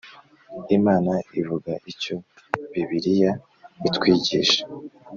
Imana ivuga Icyo Bibiliya itwigisha